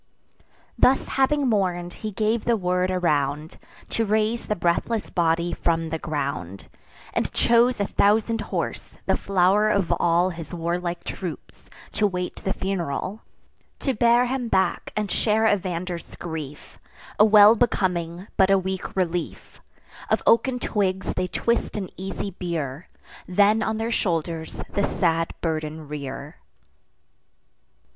Thus having mourn'd, he gave the word around, To raise the breathless body from the ground; And chose a thousand horse, the flow'r of all His warlike troops, to wait the funeral, To bear him back and share Evander's grief: A well becoming, but a weak relief. Of oaken twigs they twist an easy bier, Then on their shoulders the sad burden rear.